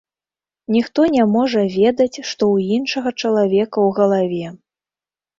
Ніхто не можа ведаць, што ў іншага чалавека ў галаве.